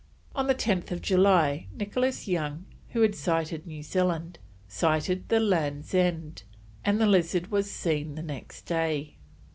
On 10th July Nicholas Young, who had sighted New Zealand, sighted the Land's End, and the Lizard was seen the next day.